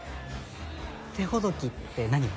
手ほどきって何を？